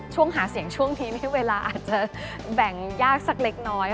หาเสียงช่วงนี้เวลาอาจจะแบ่งยากสักเล็กน้อย